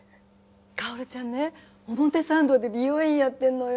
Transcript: かおるちゃんね表参道で美容院やってるのよ。